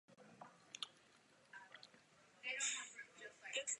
Kosovo není žádným precedentem.